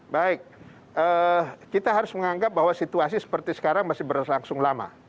baik kita harus menganggap bahwa situasi seperti sekarang masih berlangsung lama